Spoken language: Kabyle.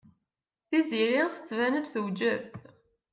Tiziri tettban-d tewjed.